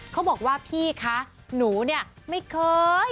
เขาบอกว่าพี่คะหนูเนี่ยไม่เคย